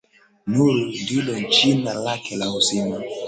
Nuru ndilo jina lake la kuzaliwa